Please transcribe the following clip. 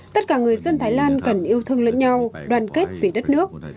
tất cả người dân thái lan cần yêu thương lẫn nhau đoàn kết vì đất nước